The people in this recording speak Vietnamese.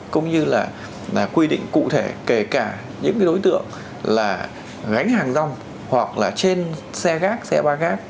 cũng như là quy định cụ thể kể cả những đối tượng là gánh hàng rong hoặc là trên xe gác xe ba gác